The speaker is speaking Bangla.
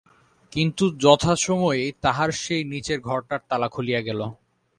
কিন্তু যথাসময়েই তাহার সেই নীচের ঘরটার তালা খুলিয়া গেল।